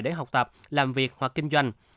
để học tập làm việc hoặc kinh doanh